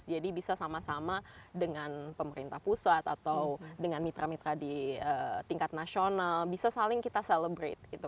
jadi bisa sama sama dengan pemerintah pusat atau dengan mitra mitra di tingkat nasional bisa saling kita celebrate gitu